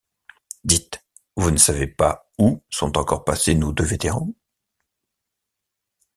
Dites, vous ne savez pas où sont encore passés nos deux vétérans ?